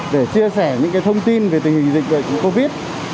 để chia sẻ những thông tin về tình hình dịch bệnh covid